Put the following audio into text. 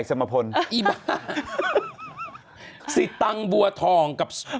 ซิตังบัวทองกับ